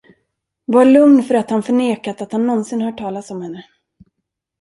Var lugn för att han förnekat att han nånsin hört talas om henne.